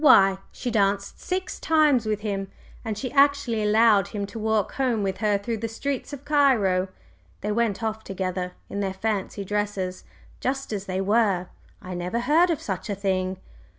Why, she danced six times with him! And she actually allowed him to walk home with her through the streets of Cairo! They went off together, in their fancy dresses, just as they were! I never heard of such a thing!"